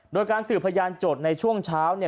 โดยการสื่อพยานจดในช่วงเช้า